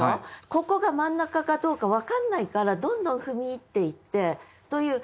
ここが真ん中かどうか分かんないからどんどん踏み入っていってという。